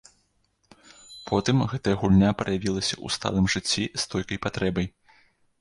Потым гэтая гульня праявілася ў сталым жыцці стойкай патрэбай.